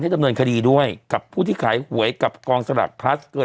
ดำเนินคดีด้วยกับผู้ที่ขายหวยกับกองสลักพลัสเกิน